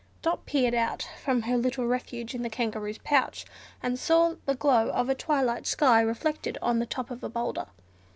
Dot peered out from her little refuge in the Kangaroo's pouch, and saw the glow of the twilight sky reflected on the top of the boulder.